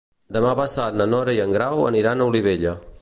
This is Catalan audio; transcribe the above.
Demà passat na Nora i en Grau aniran a Olivella.